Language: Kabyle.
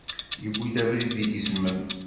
Yewwi abrid igezmen.